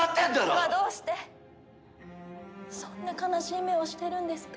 ではどうしてそんな悲しい目をしてるんですか？